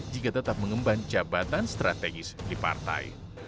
jika tetap mengemban jabatan strategis di partai